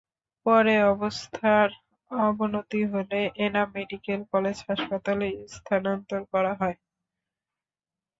পরে অবস্থার অবনতি হলে এনাম মেডিকেল কলেজ হাসপাতালে স্থানান্তর করা হয়।